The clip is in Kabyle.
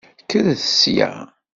Kkret sya!